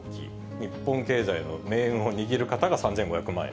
日本経済の命運を握る方が３５００万円。